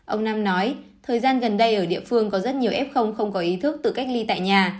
ông nam nói thời gian gần đây ở địa phương có rất nhiều f không có ý thức tự cách ly tại nhà